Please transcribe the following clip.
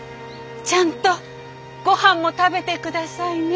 ちゃんとごはんも食べて下さいね。